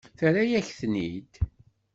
Terra-yak-ten-id.